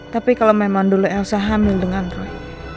tapi kalo memang dulu elsa hamil dengan roy